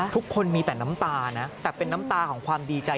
ทุกคนมีแต่น้ำตานะแต่เป็นน้ำตาของความดีใจ